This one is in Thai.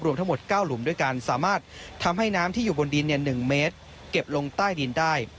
ทั้งหมด๙หลุมด้วยกันสามารถทำให้น้ำที่อยู่บนดิน๑เมตรเก็บลงใต้ดินได้